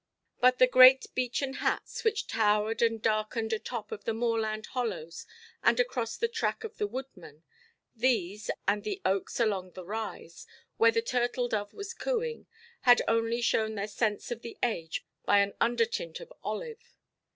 But the great beechen hats, which towered and darkened atop of the moorland hollows and across the track of the woodman—these, and the oaks along the rise, where the turtle–dove was cooing, had only shown their sense of the age by an undertint of olive.